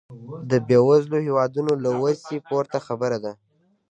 د بېوزلو هېوادونو له وسې پورته خبره ده.